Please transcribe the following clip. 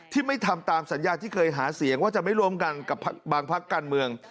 ไม่ทำตามสัญญาที่เคยหาเสียงว่าจะไม่ร่วมกันกับบางพักการเมือง